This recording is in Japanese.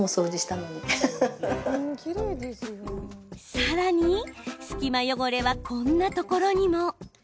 さらに、隙間汚れはこんなところにも。